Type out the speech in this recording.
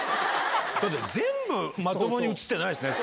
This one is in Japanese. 全部まともに写ってないですね。